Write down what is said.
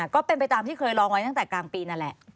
ก็เป็นไปตามที่เคยลองไว้ตั้งแต่กลางปีนั่นแหละ